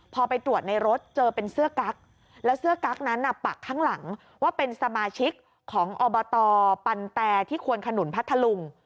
พอไปตรวจในรถเจอเป็นเสื้อกั๊กแล้วเสื้อกั๊กนั้นปักข้างหลังว่าเป็นสมาชิกของอบตปันแตที่ควนขนุนพัทธลุง